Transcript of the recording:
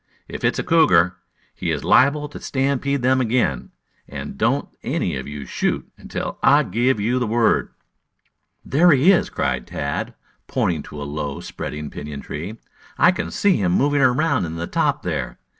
If it's a cougar, he is liable to stampede them again. And don't any of you shoot until I give you the word." "There he is!" cried Tad, pointing to a low spreading pinyon tree. "I can see him moving around in the top there.